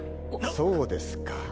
そうですか。